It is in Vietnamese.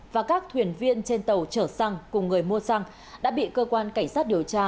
và các thuyền viên trên tàu chở xăng cùng người mua xăng đã bị cơ quan cảnh sát điều tra